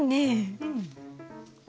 うん。